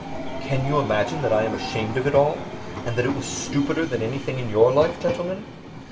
Can you imagine that I am ashamed of it all, and that it was stupider than anything in your life, gentlemen?